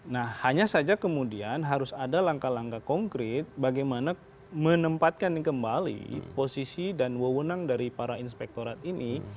nah hanya saja kemudian harus ada langkah langkah konkret bagaimana menempatkan kembali posisi dan wewenang dari para inspektorat ini